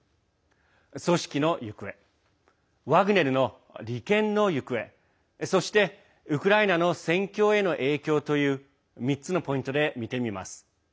組織の行方ワグネルの利権の行方、そしてウクライナの戦況への影響という３つのポイントで見てみます。